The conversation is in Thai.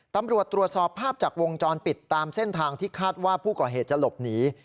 ตำรวจตรวจสอบภาพจากวงจรปิดตามเส้นทางที่คาดว่าผู้ก่อเหตุจะหลบหนี